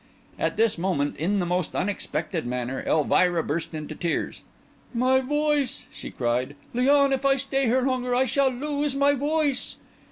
At this moment, in the most unexpected manner, Elvira burst into tears. "My voice!" she cried. "Léon, if I stay here longer I shall lose my voice!"